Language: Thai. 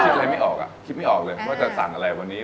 คิดไม่ออกเลยว่าจะสั่งอะไรวันนี้